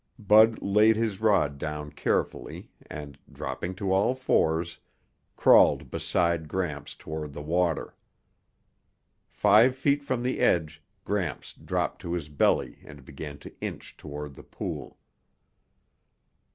Bud laid his rod down carefully and, dropping to all fours, crawled beside Gramps toward the water. Five feet from the edge, Gramps dropped to his belly and began to inch toward the pool.